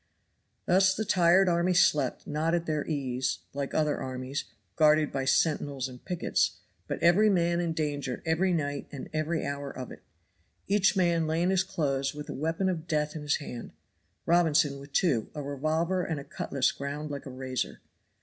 Thus the tired army slept not at their ease, like other armies, guarded by sentinels and pickets, but every man in danger every night and every hour of it. Each man lay in his clothes with a weapon of death in his hand; Robinson with two, a revolver and a cutlass ground like a razor.